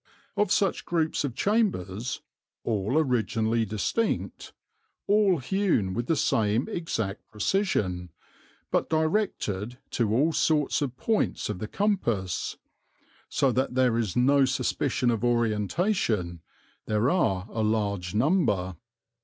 Of such groups of chambers, all originally distinct, all hewn with the same exact precision, but directed to all sorts of points of the compass, so that there is no suspicion of orientation, there are a large number.